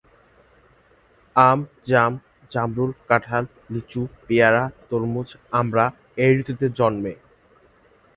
আম, জাম, জামরুল, কাঁঠাল, লিচু, পেয়ারা, তরমুজ, আমড়া এই ঋতুতে জন্মে।